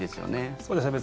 そうですね。